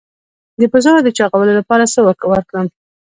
د پسونو د چاغولو لپاره څه ورکړم؟